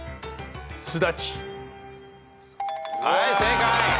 はい正解。